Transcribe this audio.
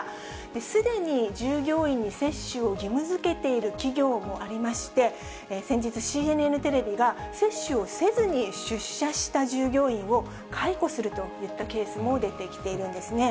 すでに従業員に接種を義務づけている企業もありまして、先日、ＣＮＮテレビが接種をせずに出社した従業員を解雇するといったケースも出てきているんですね。